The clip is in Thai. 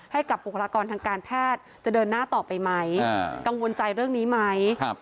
บุคลากรทางการแพทย์จะเดินหน้าต่อไปไหมกังวลใจเรื่องนี้ไหม